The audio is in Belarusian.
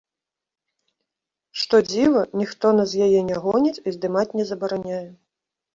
Што дзіва, ніхто нас з яе не гоніць і здымаць не забараняе.